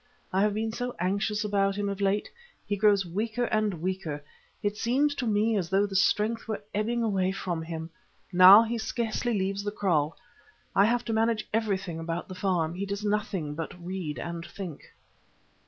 I have been so anxious about him of late. He grows weaker and weaker; it seems to me as though the strength were ebbing away from him. Now he scarcely leaves the kraal, I have to manage everything about the farm; he does nothing but read and think."